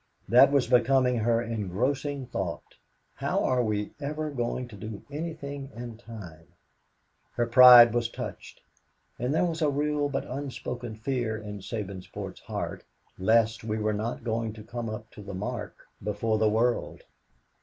That was becoming her engrossing thought. How are we ever going to do anything in time? Her pride was touched. And there was a real but unspoken fear in Sabinsport's heart lest we were not going to come up to the mark before the world.